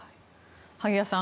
萩谷さん